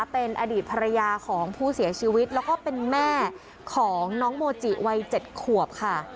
เป็นอดีตภรรยาของผู้เสียชีวิตแล้วก็เป็นแม่ของน้องโมจิวัย๗ขวบค่ะ